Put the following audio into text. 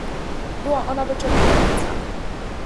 Była ona wyczerpująca